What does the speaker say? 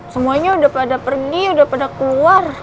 semuanya udah pada pergi udah pada keluar